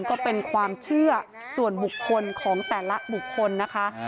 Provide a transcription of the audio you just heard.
ก็เป็นความเชื่อส่วนบุคคลของแต่ละบุคคลนะคะ